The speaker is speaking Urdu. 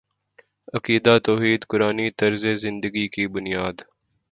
عقیدہ توحید قرآنی طرزِ زندگی کی بنیاد